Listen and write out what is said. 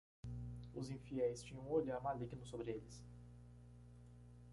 Os infiéis tinham um olhar maligno sobre eles.